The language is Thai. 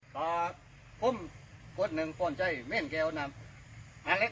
ของหัวหน้าแนว